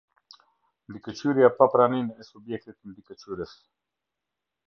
Mbikëqyrja pa praninë e subjektit mbikëqyrës.